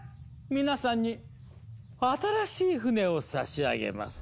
皆さんに新しい船を差し上げます。